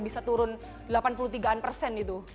bisa turun delapan puluh tiga an persen itu